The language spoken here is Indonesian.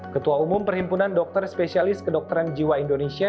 ketua umum perhimpunan dokter spesialis kedokteran jiwa indonesia